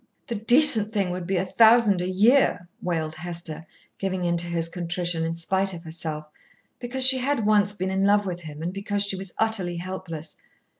"The decent thing would be a thousand a year," wailed Hester, giving in to his contrition in spite of herself, because she had once been in love with him, and because she was utterly helpless.